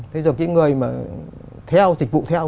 thế rồi cái người theo dịch vụ theo